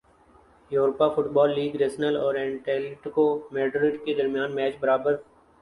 Europa football league Arsenal اور Atletico Madrid کے درمیان میچ برابر